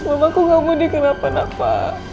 mama aku gak mau dia kenapa napa